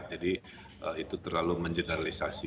jadi itu terlalu menjelalisasi